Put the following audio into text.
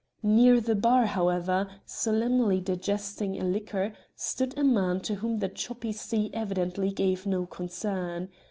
Near the bar, however, solemnly digesting a liqueur, stood a man to whom the choppy sea evidently gave no concern.